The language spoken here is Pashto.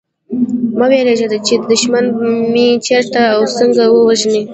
مه وېرېږی چي دښمن به مي چېرته او څنګه ووژني